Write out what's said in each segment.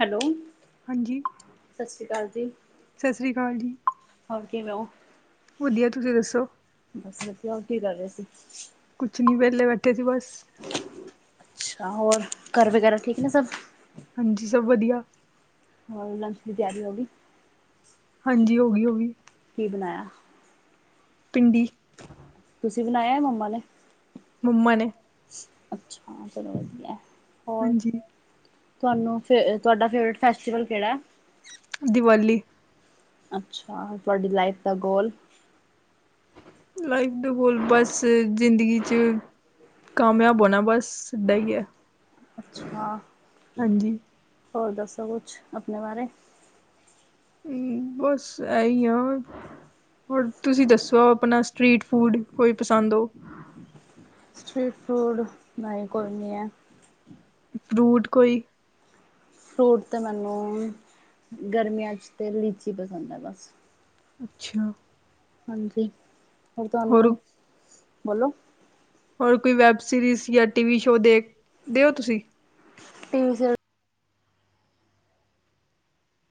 Hello, ਹਾਂਜੀ ਸਾਸੀ ਕਾਲ ਜੀ। ਸਤਿ ਸ੍ਰੀ ਅਕਾਲ ਜੀ ਫਰਕ ਐ ਨਾ ਓ। ਵਧੀਆ ਤੁਸੀਂ ਦੱਸੋ? ਬਸ ਵਧੀਆ ਉਹ ਕੀ ਕਰ ਰਹੇ ਸੀ? ਕੁਛ ਨੀ ਵਿਹਲੇ ਬੈਠੇ ਸੀ ਬਸ ਅੱਛਾ, ਹੋਰ ਘਰ ਵਗੈਰਾ ਠੀਕ ਨੇ ਸਭ ਹਾਂਜੀ, ਸਭ ਵਧੀਆ। ਹੋਰ ਲੰਚ ਦੀ ਤਿਆਰੀ ਹੋ ਗਈ। ਹਾਂਜੀ ਹੋ ਗਈ, ਹੋ ਗਈ। ਕੀ ਬਣਾਇਆ। ਭਿੰਡੀ, ਤੁਸੀਂ ਬਣਾਇਆ, ਮੰਮਾ ਨੇ? ਮੰਮਾ ਨੇ। ਅੱਛਾ, ਚਲੋ ਵਦੀਆ ਹੋਰ ਹਾਂਜੀ ਤੁਹਾਨੂੰ ਫੇਰ ਅ ਤੁਆਡਾ ਫੇਵਰੇਟ ਫੈਸਟੀਵਲ ਕਿਹੜਾ ਐ? ਦੀਵਾਲੀ। ਅੱਛਾ, ਤੁਆਡੀ ਲਾਈਫ ਦਾ ਗੋਲ ਲਾਈਫ ਦਾ ਗੋਲ, ਬਸ ਜ਼ਿੰਦਗੀ ਚ ਕਾਮਯਾਬ ਹੋਣਾ ਬਸ ਸਿੱਧਾ ਈ ਐ। ਅੱਛਾ, ਹੋਰ ਦੱਸੋ ਕੁਛ ਅਪਣੇ ਬਾਰੇ ਹੂੰ, ਬਸ ਇਹੀ ਆ। ਹੋਰ ਤੁਸੀਂ ਦੱਸੋ, ਅਪਣਾ ਸਟ੍ਰੀਟ ਫੂਡ ਕੋਈ ਪਸੰਦ ਓ? ਸਟ੍ਰੀਟ ਫੂਡ ਬਾਈ ਕੋਈ ਨੀ ਐ। ਫਰੂਟ ਕੋਈ ਫਰੂਟ ਤਾਂ ਮੈਨੂੰ ਗਰਮੀਆਂ ਚ ਤੇ ਲੀਚੀ ਪਸੰਦ ਐ ਬਸ। ਅੱਛਾ। ਹਾਂਜੀ, ਹੋਰ ਤੁਆਨੂੰ ਬੋਲੋ। ਹੋਰ ਕੋਈ ਵੈੱਬ ਸੀਰੀਜ਼ ਯਾ ਟੀ ਵੀ ਸ਼ੋਅ ਦੇਖ ਦਿਓ ਤੁਸੀਂ? ਤੇ [unintelligible]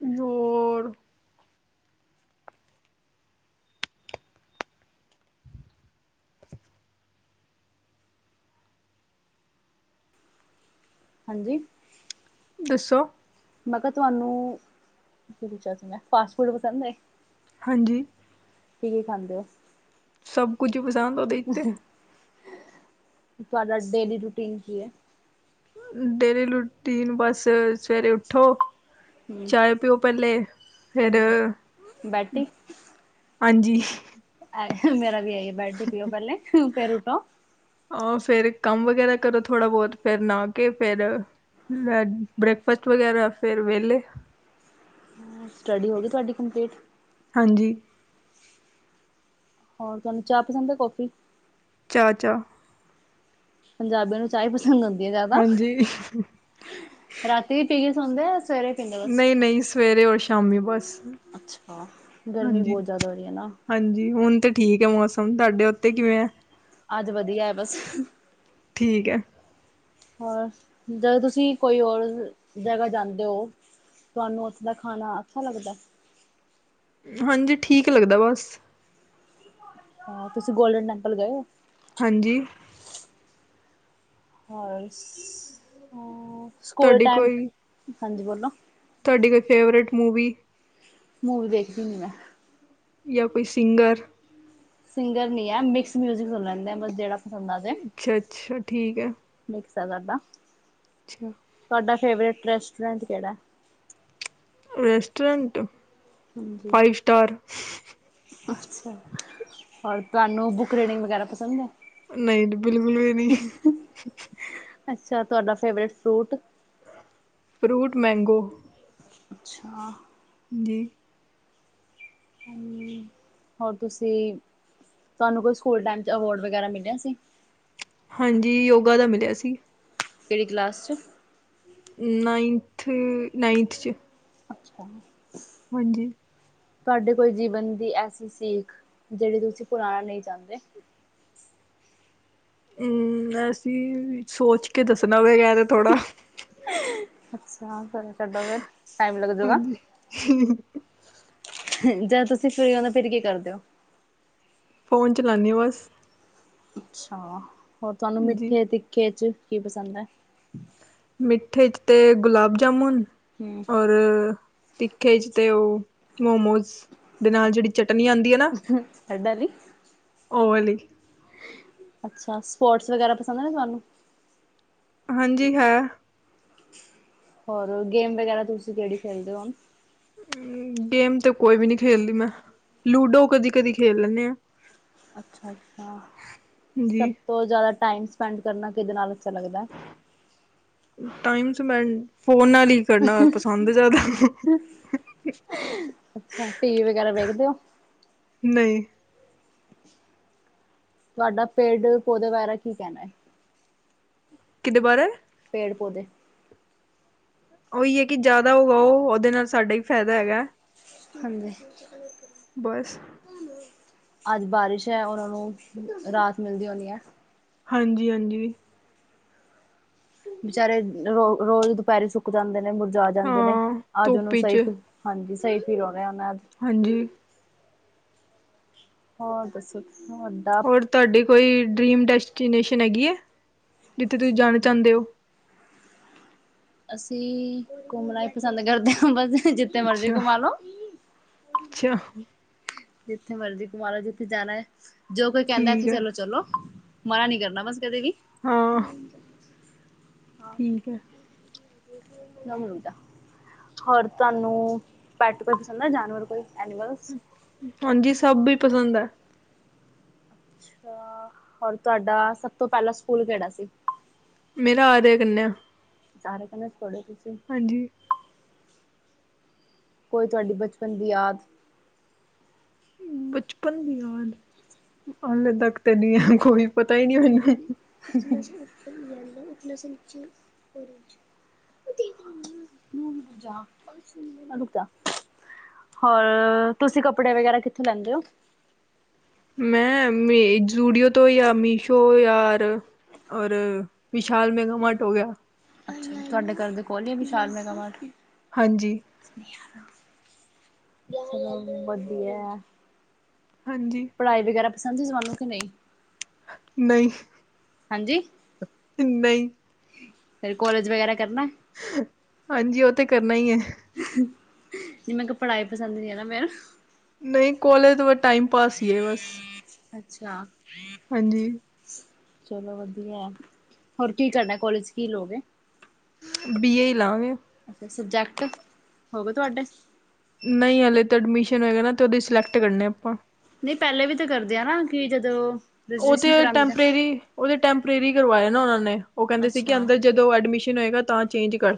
ਰ [unintelligible] ਹਾਂਜੀ। ਦੱਸੋ? ਮੈਂ ਕਿਆ ਤੁਆਨੂੰ ਕੀ ਪੁਛਯਾ ਸੀ ਮੈ ਫਾਸਟ ਫੂਡ ਪਸੰਦ ਐ। ਹਾਂਜੀ। ਕੀ-ਕੀ ਖਾਂਦੇ ਓ। ਸਭ ਕੁਝ ਪਸੰਦ ਓਦੇ ਤੇ। ਤੁਆਢਾ ਡੇਲੀ ਰੂਟੀਨ ਕੀ ਐ। ਡੇਰੇ ਲੁਟੀਨ ਬਸ ਸਵੇਰੇ ਉੱਠੋ। ਹਮ ਚਾਹ ਪਿਓ ਪਹਿਲੇ ਫਿਰ ਹਾਂਜੀ ਬੈਟੀ ਹਾਂਜੀ ਆ ਮੇਰਾ ਵੀ ਆਈ ਐ, ਬੈਡ ਟੀ ਪੀਓ ਪਹਿਲੇ, ਫੇਰ ਉਠੋ। ਆਹ ਫੇਰ ਕੰਮ ਵਗੈਰਾ ਕਰੋ ਥੋੜਾ ਬਹੁਤ, ਫਿਰ ਨਹਾ ਕੇ ਫਿਰ ਬ੍ਰੇਕਫਾਸਟ ਵਗੈਰਾ ਫੇਰ ਵਿਹਲੇ। ਸਟੱਡੀ ਹੋ ਗਈ ਤੁਆਡੀ ਕੰਪਲੀਟ। ਹਾਂਜੀ। ਹੋਰ ਤੁਆਨੂੰ ਚਾਹ ਪਸੰਦ ਐ ਕੌਫੀ। ਚਾਹ, ਚਾਹ। ਪੰਜਾਬੀਆਂ ਨੂੰ ਚਾਹ ਈ ਪਸੰਦ ਹੁੰਦੀ ਐ ਜਾਯਦਾ। ਹਾਂਜੀ ਰਾਤੀ ਵੀ ਪੀ ਕੇ ਸੌਦੇ ਓ ਸਵੇਰੇ। ਪੀਂਦੇ ਬਸ ਨਈ-ਨਈ ਸਵੇਰੇ ਓਰ ਸ਼ਾਮੀ ਬਸ, ਅੱਛਾ ਗਰਮੀ ਹਾਂਜੀ। ਬਹੁਤ ਜ਼ਿਆਦਾ ਹੋ ਰਹੀ ਹੈ ਨਾ ਹਾਂਜੀ, ਹੁਣ ਤੇ ਠੀਕ ਐ ਮੌਸਮ, ਤੁਆਡੇ ਉੱਤੇ ਕਿਵੇਂ ਐ? ਅੱਜ ਵਦੀਆ ਐ ਬਸ। ਠੀਕ ਐ। ਹੋਰ ਜਦੋਂ ਤੁਸੀਂ ਕੋਈ ਹੋਰ ਜਗਾਂ ਜਾਂਦੇ ਓ ਤੁਆਨੂੰ ਉਸ ਦਾ ਖਾਣਾ ਅੱਛਾ ਲੱਗਦਾ। ਹਾਂਜੀ, ਠੀਕ ਲੱਗਦਾ ਬਸ। ਹਾਂ, ਤੁਸੀਂ ਗੋਲਡਨ ਟੈਂਪਲ ਗਏ ਓ? ਹਾਂਜੀ। ਹੋਰ ਸਕੂਲ ਤੁਹਾਡੀ ਟਾਈਮ ਕੋਈ ਹਾਂਜੀ ਬੋਲੋ ਤੁਹਾਡੀ ਕੋਈ ਫੇਵਰੇਟ ਮੂਵੀ। ਮੂਵੀ ਦੇਖਦੀ ਨੀ ਮੈਂ। ਜਾਂ ਕੋਈ ਸਿੰਗਰ ਸਿੰਗਰ ਨਹੀਂ ਐ ਮਿਕਸ ਮਿਊਜਿਕ ਸੁਣ ਲੈਂਦੇ ਐ ਜਿਹੜਾ ਪਸੰਦ ਆਜੇ। ਅੱਛਾ ਅੱਛਾ, ਠੀਕ ਐ। [unintelligible] ਸਾਡਾ, ਅੱਛਾ, ਤੁਹਾਡਾ ਫੇਵਰੇਟ ਰੈਸਟੋਰੈਂਟ ਕਿਹੜਾ ਰੈਸਟੋਰੈਂਟ ਹਾਂਜੀ ਫਾਈਵ ਸਟਾਰ ਅੱਛਾ, ਔਰ ਤੁਹਾਨੂੰ ਬੁੱਕ ਰੀਡਿੰਗ ਵਗੈਰਾ ਪਸੰਦ ਐ। ਨਹੀਂ, ਬਿਲਕੁਲ ਵੀ ਨੀ ਅੱਛਾ ਤੁਹਾਡਾ ਫੇਵਰੇਟ ਫਰੂਟ। Fruit mango. ਅੱਛਾ, ਜੀ, ਹੋਰ ਤੁਸੀਂ ਤੁਹਾਨੂੰ ਕੋਈ ਸਕੂਲ ਟਾਈਮ ਚ ਅਵਾਰਡ ਵਗੈਰਾ ਮਿਲਿਆ ਸੀ। ਹਾਂਜੀ, ਯੋਗਾ ਦਾ ਮਿਲਿਆ ਸੀ। ਕਿਹੜੀ ਕਲਾਸ 'ਚ ਨਾਈਨਥ ਨਾਈਨਥ 'ਚ ਅੱਛਾ, ਹਾਂਜੀ। ਤੁਹਾਡੇ ਕੋਈ ਜੀਵਨ ਦੀ ਐਸੀ ਸਿੱਖ ਜਿਹੜੀ ਤੁਸੀਂ ਭੁੱਲਣਾ ਨੀ ਚਾਦੇ। ਹੂੰ, ਅਸੀਂ ਸੋਚ ਕੇ ਦੱਸਣਾ ਹੋਏਗਾ ਐ ਤੇ ਥੋੜਾ ਅੱਛਾ, ਚੱਲੋ ਛੱਡੋ ਫਿਰ ਟਾਈਮ ਲੱਗਜੂਗਾ। ਹਾਂਜੀ ਜਦ ਤੁਸੀਂ ਫਰੀ ਹੁੰਦੇ ਫਿਰ ਕੀ ਕਰਦੇ ਓ? ਫੋਨ ਚਲਾਣੀ ਆ ਬਸ। ਅੱਛਾ, ਹੋਰ ਤੁਹਾਨੂੰ ਜੀ ਮਿੱਠੇ ਤਿੱਖੇ ਚ ਕੀ ਪਸੰਦ ਐ। ਮਿੱਠੇ 'ਚ ਤੇ ਗੁਲਾਬ ਜਾਮੁਣ ਹੂੰ ਔਰ ਤਿੱਖੇ ਚ ਤੇ ਉਹ ਮੋਮੋਸ ਦੇ ਨਾਲ ਜਿਹੜੀ ਚਟਨੀ ਆਂਦੀ ਆ ਨਾ ਏਦਾਂ ਨੀ। ਓ ਵਾਲੀ। ਅੱਛਾ ਸਪੋਰਟਸ ਵਗੈਰਾ ਪਸੰਦ ਨੇ ਤੁਹਾਨੂੰ। ਹਾਂਜੀ ਹਾਂ, ਔਰ ਗੇਮ ਵਗੈਰਾ ਤੁਸੀਂ ਕਿਹੜੀ ਖੇਲਦੇ ਹੋ। ਗੇਮ ਤੇ ਕੋਈ ਵੀ ਨੀ ਖੇਲਦੀ ਮੈਂ ਲੂਡੋ ਕਦੀ ਕਦੀ ਖੇਲ ਲੈਣੇ ਆ। ਅੱਛਾ ਅੱਛਾ, ਸਭ ਜੀ ਤੋਂ ਜ਼ਿਆਦਾ ਟਾਈਮ ਸਪੈਂਡ ਕਰਨਾ ਕਿਹਦੇ ਨਾਲ ਅੱਛਾ ਲੱਗਦਾ? ਟਾਈਮ ਸਪੈਡ ਫੋਨ ਨਾਲ ਹੀ। ਕਰਨਾ ਪਸੰਦ ਜ਼ਿਆਦਾ। ਅੱਛਾ, ਟੀ ਵੀ ਵਗੈਰਾ ਵੇਖਦੇ ਓ? ਨਹੀਂ। ਤੁਹਾਡਾ ਪੇੜ ਪੌਦੇ ਬਾਰੇ ਕੀ ਕਹਿਣਾ ਹੈ? ਕਿਹਦੇ ਬਾਰੇ। ਪੇੜ ਪੌਦੇ। ਉਹੀ ਹੈ ਕਿ ਜ਼ਿਆਦਾ ਹੋਗਾ ਉਹ ਉਹਦੇ ਨਾਲ ਸਾਡਾ ਹੀ ਫ਼ਾਇਦਾ ਹੈਗਾ। ਹਾਂਜੀ। ਬਸ। ਅੱਜ ਬਾਰਿਸ਼ ਐ ਤੇ ਉਹਨਾਂ ਨੂੰ ਰਾਹਤ ਮਿਲਦੀ ਹੋਣੀ ਐ। ਹਾਂਜੀ-ਹਾਂਜੀ। ਬਚਾਰੇ ਰੋ ਰੋਜ਼ ਦੁਪਹਿਰੇ ਸੁੱਕ ਜਾਂਦੇ ਨੇ ਮੁਰਝਾ ਜਾਂਦੇ ਨੇ ਹਾਂ ਅੱਜ ਧੁੱਪ ਉਹਨੂੰ ਸਈ, 'ਚ ਹਾਂਜੀ, ਸਹੀ ਫਿਲ ਹੋ ਰਿਹਾ ਹੋਣਾ। ਹਾਂਜੀ, ਹੋਰ ਦੱਸੋ। ਹੋਰ ਤੁਹਾਡੀ ਕੋਈ ਡਰੀਮ ਡੈਸਟੀਨੇਸ਼ਨ ਹੈਗੀ ਐ ਜਿੱਥੇ ਤੁਸੀਂ ਜਾਣਾ ਚਾਦੇ ਹੋ। ਅਸੀਂ ਘੁੰਮਣਾ ਹੀ ਪਸੰਦ ਕਰਦੇ ਹਾਂ ਬਸ ਜਿੱਥੇ ਮਰਜ਼ੀ ਅੱਛਾ ਘੁੰਮਾ ਲਓ। ਅੱਛਾ। ਜਿੱਥੇ ਮਰਜੀ ਕਮਾ ਲੋ ਜਿੱਥੇ ਜਾਣਾ ਹੈ, ਜੋ ਕੋਈ ਕਹਿੰਦਾ ਠੀਕ ਇੱਥੇ ਹੈ ਚਲੋ-ਚਲੋ। ਮਨਾ ਨੀ ਕਰਨਾ ਬਸ ਕਦੇ ਵੀ। ਹਾਂ ਠੀਕ ਹੈ ਨ ਮਰੂਦਾ। ਹੋਰ ਤੁਹਾਨੂੰ ਪੈਟ ਕੋਈ ਪਸੰਦ ਹੈ, ਜਾਨਵਰ ਕੋਈ ਐਨੀਮਲ। ਹਾਂਜੀ ਸਭ ਵੀ ਪਸੰਦ ਹੈ। ਹੋਰ ਤੁਹਾਡਾ ਸਭ ਤੋਂ ਪਹਿਲਾਂ ਸਕੂਲ ਕਿਹੜਾ ਸੀ? ਮੇਰਾ ਆ ਰ ਸਾਰੇ ਕਹਿੰਦੇ ਪੜੋ ਤੁਸੀਂ। ਹਾਂਜੀ। ਕੋਈ ਤੁਹਾਡੀ ਬਚਪਨ ਦੀ ਯਾਦ। ਬਚਪਨ ਦੀ ਯਾਦ, ਹਾਲੇ ਤੱਕ ਤੇ ਨਹੀਂ ਆ ਕੋਈ ਪਤਾ ਹੀ ਨਹੀਂ ਮੈਨੂੰ। ਦਾ ਉਪਸ ਜਾ ਹੋਰ ਤੁਸੀਂ ਕੱਪੜੇ ਵਗੈਰਾ ਕਿੱਥੋਂ ਲੈਂਦੇ ਹੋ? ਮੈਂ ਮ ਜੂਡੀਓ ਤੋਂ ਯਾਰ ਮੀਸ਼ੋ ਯਾਰ ਔਰ ਵਿਸ਼ਾਲ ਮੈਗਾਮਟ ਹੋ ਗਿਆ। ਅੱਛ ਤੁਹਾਡੇ ਘਰ ਦੇ ਖੋਲ ਆ ਵੀਸ਼ਾਲ ਮੈਗਾ ਮਾਰਟ? ਹਾਂਜੀ। ਵਧੀਆ। ਹਾਂਜੀ। ਪੜ੍ਹਾਈ ਵਗੈਰਾ ਪਸੰਦ ਸੀ ਜ਼ਾਨੂੰ ਕਿ ਨਹੀਂ? ਨਹੀਂ। ਹਾਂਜੀ। ਨਹੀਂ। ਫੇਰ ਕੋਲੇਜ ਵਗੈਰਾ ਕਰਨਾ। ਹਾਂਜੀ ਉਹ ਤੇ ਕਰਨਾ ਹੀ ਹੈ। ਜ ਮੈਂ ਕਿਹਾ ਪੜ੍ਹਾਈ ਪਸੰਦ ਨਹੀਂ ਹੈ, ਨਾ ਮੈਨੂੰ। ਨਹੀਂ ਕੋਲੇਜ ਤੋਂ ਬਾ ਟਾਈਮ ਪਾਸ ਹੀ ਹੈ ਬਸ। ਅੱਛਾ। ਹਾਂਜੀ। ਚਲੋ ਵਧੀਆ ਹੈ, ਹੋਰ ਕੀ ਕਰਨਾ ਕੋਲੇਜ ਕੀ ਲੋਗੇ? ਬੀਏ ਹੀ ਲਾਗੇ। ਅੱਛਾ ਸਬਜੈਕਟ ਹੋ ਗਏ ਤੁਹਾਡੇ? ਨਹੀਂ ਹਲੇੇ ਤਾਂ ਐਡਮਿਸ਼ਨ ਹੋਏਗਾ, ਨਾ ਤੇ ਉਹਦੇ ਸਿਲੈਕਟ ਕਰਨੇ ਆਪਾਂ। ਨਹੀਂ ਪਹਿਲੇ ਵੀ ਤਾਂ ਕਰਦੇ ਆ ਨਾ ਕਿ ਜਦੋਂ ਉਹ ਤੇ ਰਜਿਸਟ੍ਰੇਸ਼ਨ ਕਰਾਉਂਦੇ ਨੇ ਟੈਂਪਰੇਰੀ ਉਹ ਤੇ ਟੈਂਪਰੇਰੀ ਕਰਵਾਏ ਨਾ ਉਹਨਾਂ ਨੇ ਉਹ ਕਹਿੰਦੇ ਸੀ ਕਿ ਅੱਛਾ ਅੰਦਰ ਜਦੋਂ ਐਡਮਿਸ਼ਨ ਹੋਏਗਾ ਤਾਂ ਚੇਂਜ ਕਰ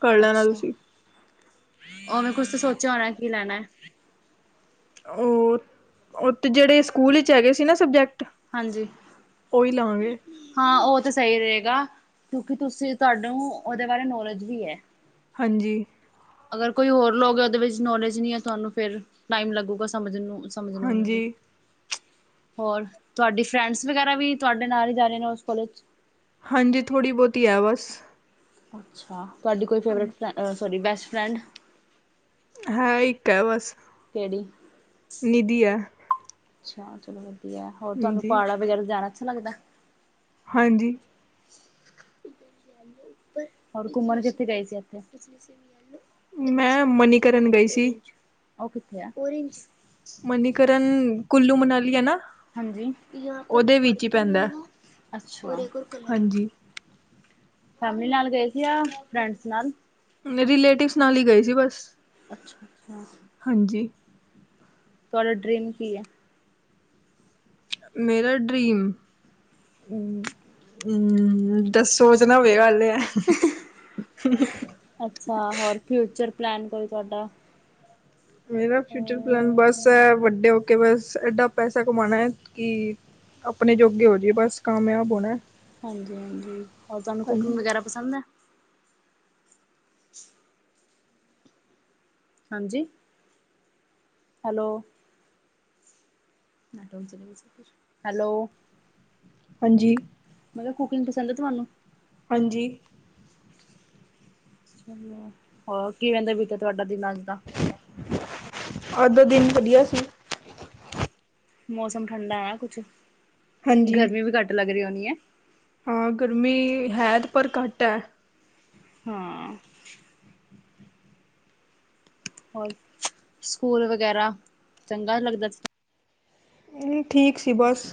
ਕਰ ਲੈਣਾ ਅੱਛਾ ਤੁਸੀਂ ਉਹਵੇੈਂ ਕੁਛ ਤਾਂ ਸੋਚਿਆ ਹੋਣਾ ਕੀ ਲੈਣਾ ਹੈ ਉਹ ਉਹ ਤੇ ਜਿਹੜੇ ਸਕੂਲ ਵਿੱਚ ਹੈਗੇ ਸੀ ਨਾ ਸਬਜੈਕਟ ਹਾਂਜੀ, ਉਹੀ ਲਾਂਗੇ ਹਾਂ ਉਹ ਤਾਂ ਸਹੀ ਰਹੇਗਾ ਕਿਉਂਕਿ ਤੁਸੀਂ ਤੁਹਾਨੂੰ ਉਹਦੇ ਬਾਰੇ ਨੌਲੇਜ ਵੀ ਹੈ ਹਾਂਜੀ, ਅਗਰ ਕੋਈ ਹੋਰ ਲੋਕ ਆ ਉਹਦੇ ਵਿੱਚ ਨੌਲੇਜ ਨਹੀਂ ਹੈ, ਤੁਹਾਨੂੰ ਫਿਰ ਟਾਈਮ ਲੱਗੇੂਗਾ ਸਮਝ ਨੂੰ ਸਮਝਣਾ ਉਹਨਾਂ ਵੀ, ਹਾਂਜੀ ਹੋਰ ਤੁਹਾਡੀ ਫਰੈਂਡਸ ਵਗੈਰਾ ਵੀ ਤੁਹਾਡੇ ਨਾਲ ਹੀ ਜਾ ਰਹੇ ਨੇ ਉਸ ਕੋਲੇਜ ਚ ਹਾਂਜੀ ਥੋੜ੍ਹੀ ਬਹੁਤੀ ਹੈ ਬਸ, ਅੱਛਾ ਤੁਹਾਡੀ ਕੋਈ ਹਾਂਜੀ, ਫੇਵਰੇਟ ਸੋਰੀ ਬੈਸਟ ਫਰੈਂਡ ਹੈ ਇੱਕ ਹੈ ਬਸ ਕਿਹੜੀ ਨਿਧੀ ਹੈ। ਅੱਛਾ ਚਲੋ ਵਧੀਆ, ਹੋਰ ਤੁਹਾਨੂੰ ਹਾਂਜੀ ਪਹਾੜਾ ਵਗੈਰਾ ਜਾਣਾ ਅੱਛਾ ਲੱਗਦਾ, ਹਾਂਜੀ ਹੋਰ ਘੁੰਮਣ ਕਿਥੇ ਗਏ ਸੀ ਇਥੇ ਇਰ ਸੇ ਮੈਂ ਨੀਚੇ ਮਨੀਕਰਨ ਆਏ ਗਈ ਸੀ ਓਰੇਜ ਉਹ ਕਿੱਥੇ ਆ ਓਰੇਜ ਮਨੀਕਰਨ ਕੁੱਲੱਲੂ ਮਨਾਲੀ ਹੈ ਨਾ ਹਾਂਜੀ ਯਹਾ ਪਰ ਉਹਦੇ ਵਿੱਚ ਹੀ ਪਰਪਲ ਪੈਂਦਾ ਹੋਏਗਾ ਔਰ ਏਕ ਔਰ ਕਲਰ ਹੋਏਗਾ ਅੱਛਾਰ ਹਾਂਜੀ ਫੈਮਿਲੀ ਨਾਲ ਗਏ ਸੀ ਆ ਫਰੈਂਡਸ ਨਾਲ ਰਿਲੇਟਿਵਸ ਨਾਲ ਹੀ ਗਏ ਸੀ ਬਸ ਅੱਛਾ ਅੱਛਾ ਹਾਂਜੀ ਤੁਹਾਡਾ ਡਰੀਮ ਕੀ ਹੈ ਮੇਰਾ ਡਰੀਮ ਹਮ ਦੱ ਸੋਚਨਾ ਪਏਗਾ ਆਲੇ ਅੱਛਾ ਹੋਰ ਫਿਊਚਰ ਪਲੈਨ ਕੋਈ ਤੁਹਾਡਾ ਮੇਰਾ ਫਿਊਚਰ ਪਲਨ ਬਸ ਹੈ ਵੱਡੇ ਕਿ ਬਸ ਐਡਾ ਪੈਸਾ ਕਮਾਉਣਾ ਕਿ ਆਪਣੇ ਜੋਗੇ ਹੋ ਜਾਈਏ ਬਸ ਕਾਮਯਾਬ ਹੋਣਾ ਹਾਂਜੀ ਹਾਂਜੀ ਹੋਰ ਤੁਹਾਨੂੰ ਹਾਂਜੀ ਕੁਕਿੰਗ ਵਗੈਰਾ ਪਸੰਦ ਹੈ ਹਾਂਜੀ ਹੈਲੋ ਹੈਲੋ ਹਾਂਜੀ ਮੈਂ ਕਿਹਾ ਕੁਕਿੰਗ ਪਸੰਦ ਹੈ ਤੁਹਾਨੂੰ ਹਾਂਜੀ ਹੋਰ ਕੀ ਕਹਿੰਦੇ ਬੀਟਾ ਤੁਹਾਡਾ ਦਿਨ ਅੱਜ ਦਾ ਅੱਧੋ ਦਿਨ ਵਧੀਆ ਸੀ ਮੌਸਮ ਠੰਡਾ ਕੁਛ ਹਾਂਜੀ ਗਰਮੀ ਵੀ ਘੱਟ ਲੱਗ ਰਹੀ ਹੋਣੀ ਹੈ ਹਾਂ ਗਰਮੀ ਹੈ ਪਰ ਘੱਟ ਹੈ ਹਾਂ ਹੋਰ ਸਕੂਲ ਵਗੈਰਾ ਚੰਗਾ ਲੱਗਦਾ ਠੀਕ ਸੀ ਬਸ